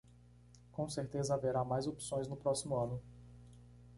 Com certeza haverá mais opções no próximo ano.